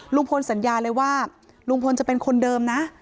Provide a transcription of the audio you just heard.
ลุงพลสัญญาเลยว่าลุงพลจะเป็นคนเดิมนะ